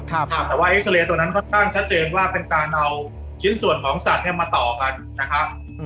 แต่ว่าเอ็กซาเรย์ตัวนั้นเขาตั้งชัดเจนว่าเป็นการเอาชิ้นส่วนของสัตว์เนี่ยมาต่อกันนะครับ